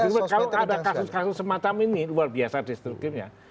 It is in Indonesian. justru kalau ada kasus kasus semacam ini luar biasa destruktifnya